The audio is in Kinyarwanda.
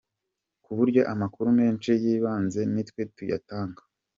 Ku buryo amakuru menshi y’ibanze nitwe tuyatanga.